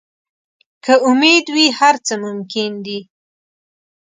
که امید وي، هر څه ممکن دي.